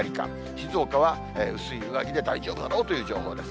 しつおかは薄い上着で大丈夫だろうという情報です。